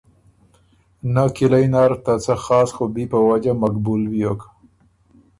نۀ کِلئ نر ته څه خاص خوبی په وجه مقبول بیوک